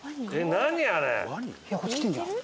ヒヤこっち来てんじゃん。